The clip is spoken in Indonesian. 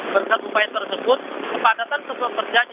berdasarkan upaya tersebut kepadatan sudah berjadi